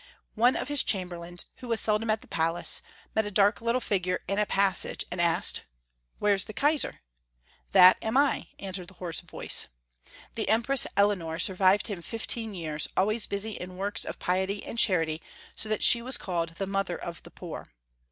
One of his chamberlains, who was seldom at the palace, met a little dark figure in a passage, and asked, "Where's the Kaisar?" "That am I," answered a hoarse voice. The Empress Eleonore survived him fifteen years, always busy in works of piety and charity, so that she was called "the mother of the poor."